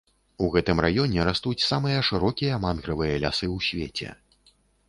У гэтым раёне растуць самыя шырокія мангравыя лясы ў свеце.